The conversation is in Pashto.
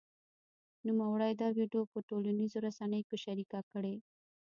نوموړي دا ویډیو په ټولنیزو رسنیو کې شرېکه کړې